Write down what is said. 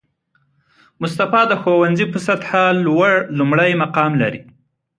مصطفی د ښوونځي په سطحه لومړی مقام لري